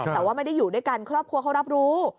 แต่ว่าไม่ได้อยู่ด้วยกันครอบครัวเขารับรู้